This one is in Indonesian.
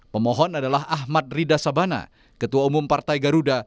pemohon adalah ahmad rida sabana ketua umum partai garuda